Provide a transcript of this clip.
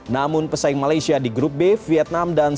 namun pesaing malaysia di grup b vietnam dan sepuluh